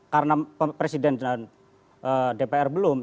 karena presiden dan dpr belum